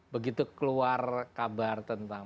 begitu keluar kabar tentang